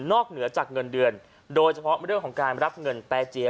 เหนือจากเงินเดือนโดยเฉพาะเรื่องของการรับเงินแปรเจีย